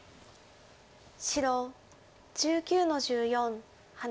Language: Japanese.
白１９の十四ハネ。